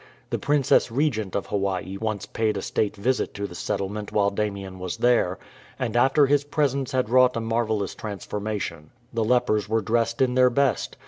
The Princess Regent of Hawaii once paid a State visit to the settlement while Damien was there, and after his presence had wrought a marvellous transformation. The lepers were dressed in their best.